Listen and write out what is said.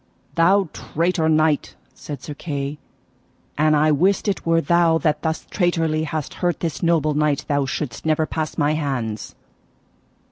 Thou traitor knight, said Sir Kay, an I wist it were thou that thus traitorly hast hurt this noble knight thou shouldst never pass my hands.